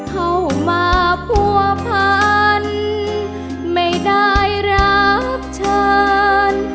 เข้ามาผัวพันธ์ไม่ได้รับฉัน